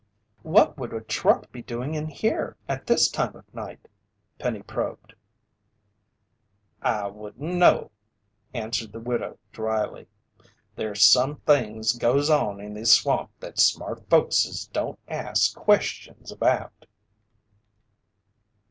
"What would a truck be doing in there at this time of night?" Penny probed. "I wouldn't know," answered the widow dryly. "There's some things goes on in this swamp that smart folkses don't ask questions about."